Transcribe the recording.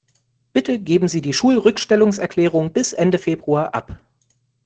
Bitte geben Sie die Schulrückstellungserklärung bis Ende Februar ab.